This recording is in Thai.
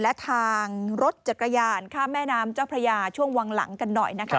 และทางรถจักรยานข้ามแม่น้ำเจ้าพระยาช่วงวังหลังกันหน่อยนะคะ